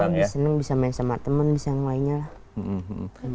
sekarang lebih seneng bisa main sama teman bisa yang lainnya lah